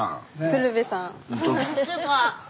鶴瓶さん。